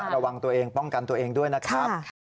ระวังตัวเองป้องกันตัวเองด้วยนะครับ